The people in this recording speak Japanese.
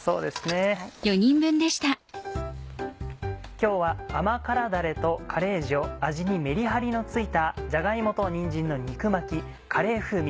今日は甘辛だれとカレー塩味にめりはりのついた「じゃが芋とにんじんの肉巻きカレー風味」